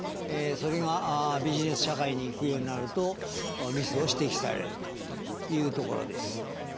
それがビジネス社会にいくようになるとミスを指摘されるというところです。